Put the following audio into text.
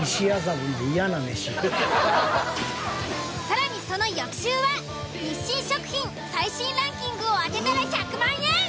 更にその翌週は「日清食品」最新ランキングを当てたら１００万円。